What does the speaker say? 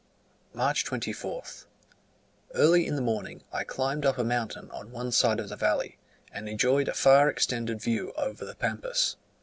March 24th. Early in the morning I climbed up a mountain on one side of the valley, and enjoyed a far extended view over the Pampas.